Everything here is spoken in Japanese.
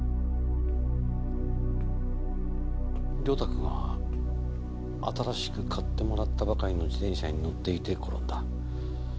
良太君は新しく買ってもらったばかりの自転車に乗っていて転んだ。